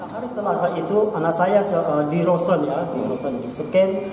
hari selasa itu anak saya di rosan ya di scan